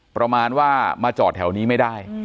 ประมาณว่ามาจอดแถวนี้ไม่ได้